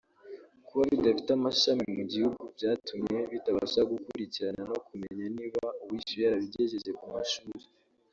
Kuba bidafite amashami mu gihugu byatumye bitabasha gukirikana no kumenya niba uwishyuye yarabigeje ku mashuri